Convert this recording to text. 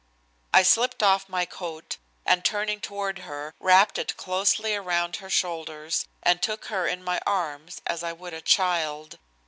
I slipped off my coat, and, turning toward her, wrapped it closely around her shoulders, and took her in my arms as I would a child.